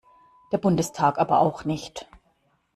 Der Bundestag aber auch nicht.